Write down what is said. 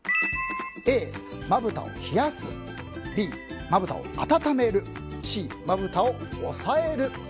Ａ、まぶたを冷やすＢ、まぶたを温めるＣ、まぶたを押さえる。